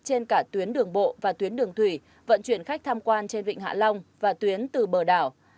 trên cả tuyến đường bộ và tuyến đường thủy vận chuyển khách tham quan trên vịnh hạ long và tuyến từ bờ đảo